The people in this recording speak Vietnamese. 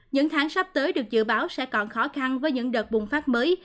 những tháng sắp tới được dự báo sẽ còn khó khăn với những đợt bùng phát mới